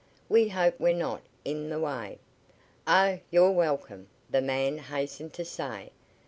"We hope we're not in the way." "Oh, you're welcome," the man hastened to say.